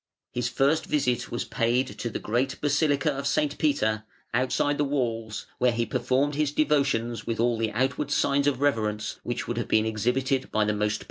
His first visit was paid to the great basilica of St. Peter, outside the walls, where he performed his devotions with all the outward signs of reverence which would have been exhibited by the most pious Catholic.